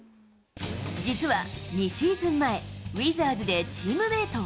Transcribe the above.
実は２シーズン前、ウィザーズでチームメート。